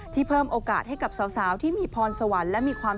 ที่เพิ่มโอกาสให้กับสาวที่มีพรสวรรค์